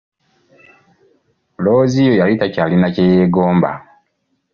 Looziyo yali takyalina kyeyegomba.